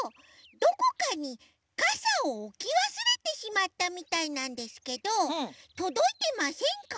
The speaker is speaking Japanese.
どこかにかさをおきわすれてしまったみたいなんですけどとどいてませんか？